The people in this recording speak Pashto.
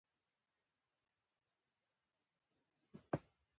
د هغه هیواد خپلواکي بې معنا ده.